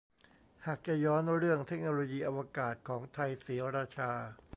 หากจะย้อนเรื่องเทคโนโลยีอวกาศของไทยศรีราชา